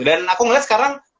dan aku ngelihat sekarang